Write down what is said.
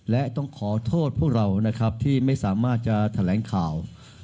และต้องขอโทษพวกเรานะครับที่ไม่สามารถจะแถลงข่าว